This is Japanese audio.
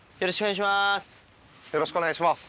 よろしくお願いします。